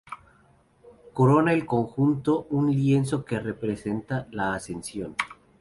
Corona el conjunto un lienzo que representa la Ascensión.